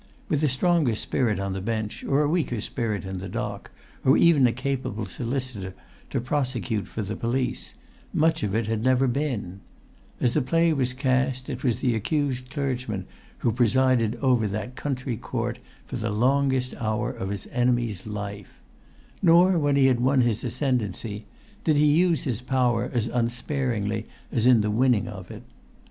With a stronger spirit on the bench, or a weaker spirit in the dock, or even a capable solicitor to prosecute for the police, much of it had never been; as the play was cast it was the accused clergyman who presided over that country court for the longest hour in his enemy's life; nor, when he had won his ascendancy, did he use his[Pg 174] power as unsparingly as in the winning of it.